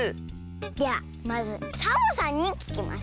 ではまずサボさんにききます。